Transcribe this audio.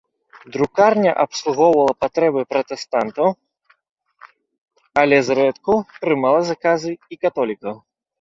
Друкарня абслугоўвала патрэбы пратэстантаў, але зрэдку прымала заказы і католікаў.